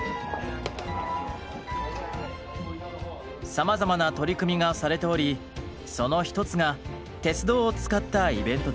さまざまな取り組みがされておりその一つが鉄道を使ったイベントです。